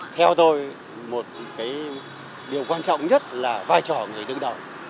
theo tôi một điều quan trọng nhất là vai trò người đứng đầu